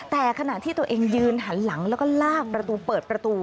แต่ขณะที่ตัวเองยืนหันหลังแล้วก็ลากประตูเปิดประตู